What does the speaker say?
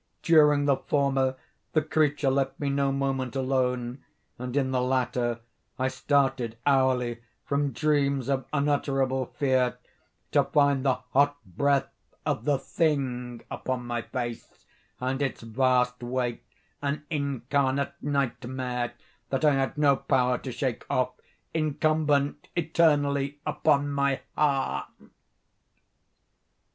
During the former the creature left me no moment alone, and in the latter I started hourly from dreams of unutterable fear to find the hot breath of the thing upon my face, and its vast weight—an incarnate nightmare that I had no power to shake off—incumbent eternally upon my _heart!